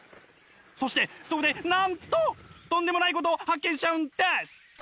そしてそこでなんととんでもないことを発見しちゃうんです！